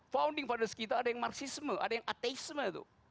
founding father kita ada yang marxisme ada yang atheisme